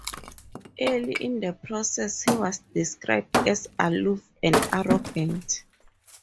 Early in the process he was described as aloof and arrogant.